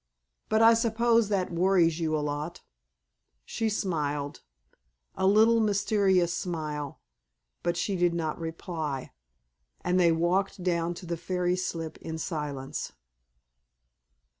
But I suppose that worries you a lot." She smiled, a little mysterious smile, but she did not reply, and they walked down to the ferry slip in silence.